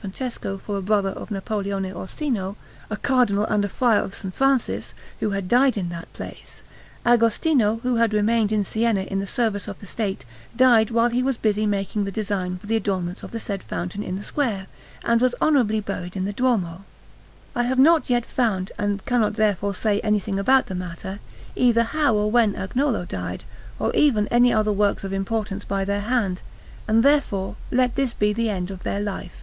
Francesco for a brother of Napoleone Orsino, a Cardinal and a friar of S. Francis, who had died in that place Agostino, who had remained in Siena in the service of the State, died while he was busy making the design for the adornments of the said fountain in the square, and was honourably buried in the Duomo. I have not yet found, and cannot therefore say anything about the matter, either how or when Agnolo died, or even any other works of importance by their hand; and therefore let this be the end of their Life.